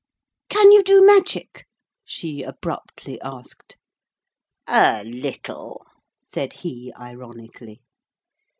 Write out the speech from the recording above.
'Can you do magic?' she abruptly asked. 'A little,' said he ironically.